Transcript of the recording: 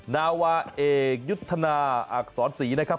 นาวาเอกยุทธนาอักษรศรีนะครับ